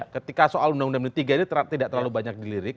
ketika soal undang undang md tiga ini tidak terlalu banyak dilirik